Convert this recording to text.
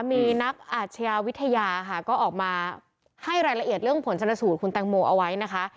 มีนักอาชญาวิทยาค่ะก็ออกมาให้รายละเอียดเรื่องผลชนสูตรคุณแตงโมเอาไว้นะคะ